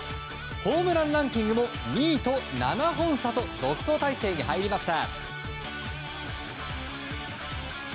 ホームランランキングも２位と７本差と独走態勢に入りました。